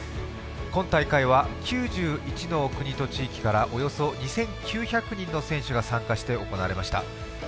今大会は９１の国と地域からおよそ２９００人の選手が参加して行われました。